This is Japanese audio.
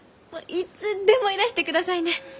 いつでもいらしてくださいね！